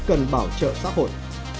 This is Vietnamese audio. cần bảo trợ xã hội